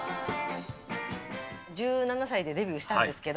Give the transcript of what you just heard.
１７歳でデビューしたんですけど。